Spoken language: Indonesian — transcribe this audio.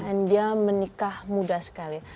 and dia menikah muda sekali